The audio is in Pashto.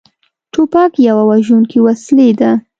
توپک یوه وژونکې وسلې ده.